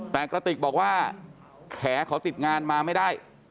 แต่กระติกบอกว่าแขเขาติดงานมาไม่ได้